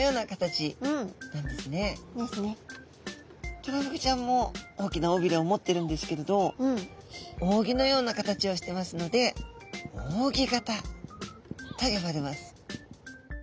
トラフグちゃんも大きな尾びれを持ってるんですけれど扇のような形をしてますので扇形と呼ばれます。